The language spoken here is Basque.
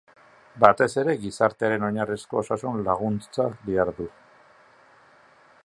Batez ere, gizartearen oinarrizko osasun laguntzan dihardu.